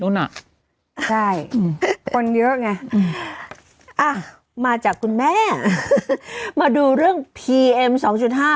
อ่ะใช่อืมคนเยอะไงอืมอ่ะมาจากคุณแม่มาดูเรื่องพีเอ็มสองจุดห้า